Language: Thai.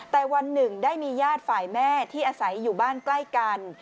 แต่วันหนึ่งได้มีญาติฝ่ายแม่ที่อาศัยอยู่บ้านใกล้กัน